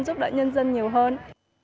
giúp đỡ nhân dân nhiều hơn